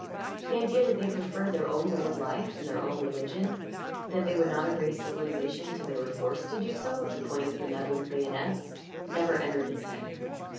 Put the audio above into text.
The idea that they preferred their own way of life and their own religion, that they would not embrace civilization till they were forced to do so at the point of benevolent bayonets, never entered his head.